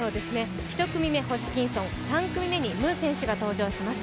１組目、ホジキンソン、２組目にムー選手が登場します。